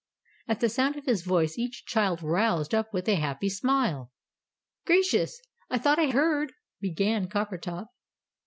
At the sound of his voice each child roused up with a happy smile. "Gracious! I thought I heard " began Coppertop.